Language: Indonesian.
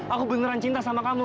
aku beneran cinta sama kamu